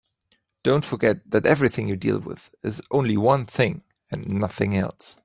Don't forget that everything you deal with is only one thing and nothing else.